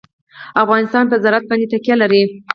افغانستان په زراعت باندې تکیه لري.